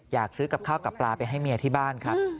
อยากซื้อกับข้าวกับปลาไปให้เมียที่บ้านครับ